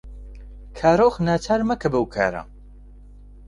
کارۆخ ناچار مەکە بەو کارە.